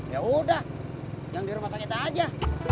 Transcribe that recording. ya udah yang di rumah sakit aja